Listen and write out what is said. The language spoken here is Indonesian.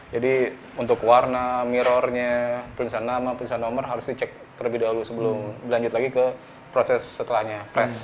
jadi untuk warna mirrornya perisian nama perisian nomor harus dicek terlebih dahulu sebelum berlanjut lagi ke proses setelahnya